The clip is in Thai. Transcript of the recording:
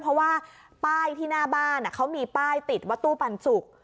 เพราะว่าป้ายที่หน้าบ้านเขามีป้ายติดว่าตู้ปันสุก